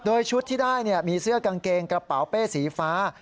โดยชุดที่ได้มีเสื้อกางเกงกระเป๋าเป้สีฟ้า